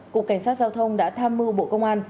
cục cảnh sát giao thông đã tham mưu bộ công an